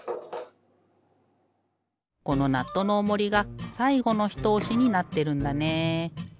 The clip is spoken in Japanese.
このナットのおもりがさいごのひとおしになってるんだね。